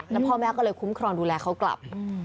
แล้วพ่อแม่ก็เลยคุ้มครองดูแลเขากลับ